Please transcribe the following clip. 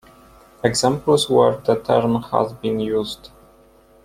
"Examples where the term has been used"